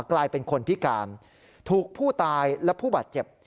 กลายเป็นคนพิการถูกผู้ตายและผู้บาดเจ็บ